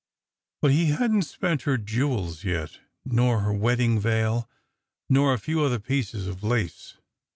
But he hadn t spent her jewels yet, nor her wedding veil, nor a few other pieces of lace.